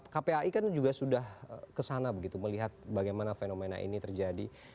kpai kan juga sudah kesana begitu melihat bagaimana fenomena ini terjadi